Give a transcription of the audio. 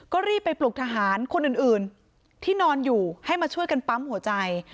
ก็รีบไปปลุกทหารคนอื่นที่นอนอยู่ให้มาช่วยกันปั๊มหัวใจ